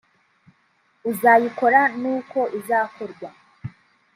uzayikora n’uko izakorwa